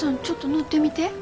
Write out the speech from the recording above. ちょっと乗ってみて。